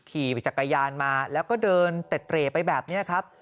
ขี่จักรยานมาแล้วก็เดินเต็ดเตรไปแบบนี้ครับ